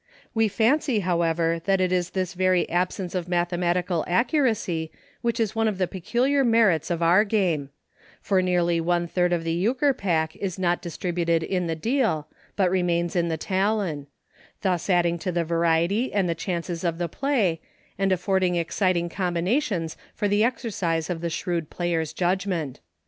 We fancy, however, that it is this very absence of mathematical accu racy which is one of the peculiar merits of our game ; for nearly one third of the Euchre pack is not distributed in the deal, but remains in the talon; thus adding to the variety and the chances of the play, and affording exciting combinations for the exer cise of the shrewd player's judgment.